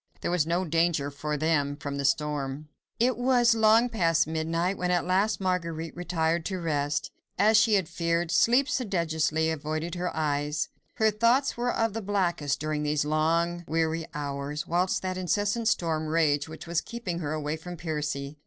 There was no danger for them from the storm. It was long past midnight when at last Marguerite retired to rest. As she had feared, sleep sedulously avoided her eyes. Her thoughts were of the blackest during these long, weary hours, whilst that incessant storm raged which was keeping her away from Percy.